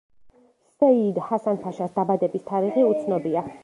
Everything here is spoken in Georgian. სეიიდ ჰასან-ფაშას დაბადების თარიღი უცნობია.